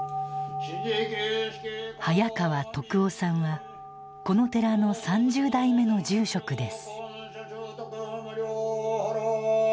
早川篤雄さんはこの寺の３０代目の住職です。